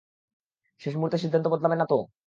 শেষ মুহূর্তে সিদ্ধান্ত বদলাবে না তো?